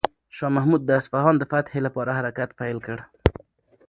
شاه محمود د اصفهان د فتح لپاره حرکت پیل کړ.